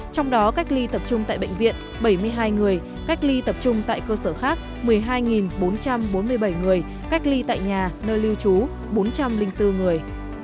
trong đó cách ly tập trung tại bệnh viện bảy mươi hai người cách ly tập trung tại cơ sở khác một mươi hai bốn trăm bốn mươi bảy người cách ly tại nhà nơi lưu trú bốn trăm linh bốn người